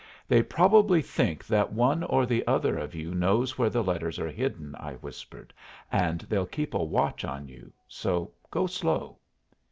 "They probably think that one or the other of you knows where the letters are hidden," I whispered, "and they'll keep a watch on you; so go slow."